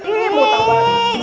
ini mau taruh ke mana